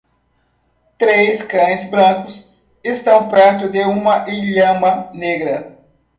Três cães brancos estão perto de uma lhama negra.